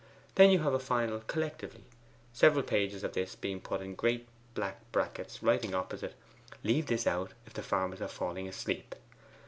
Then you have a final Collectively, several pages of this being put in great black brackets, writing opposite, "LEAVE THIS OUT IF THE FARMERS ARE FALLING ASLEEP."